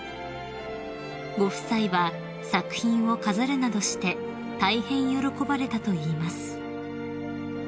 ［ご夫妻は作品を飾るなどして大変喜ばれたといいます］